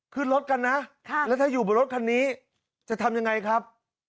ขึ้นรถกันนะแล้วถ้าอยู่บนรถคันนี้จะทำยังไงครับ